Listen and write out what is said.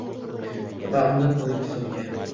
va... undan ko‘nglimiz sovigan.